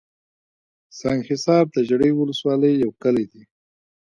سنګحصار دژړۍ ولسوالۍ يٶ کلى دئ